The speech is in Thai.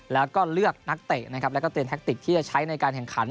แล้วก็เลือกนักเตะนะครับแล้วก็เตรียมแท็กติกที่จะใช้ในการแข่งขัน